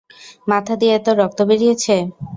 মাথা দিয়ে এতো রক্ত বেরিয়েছে?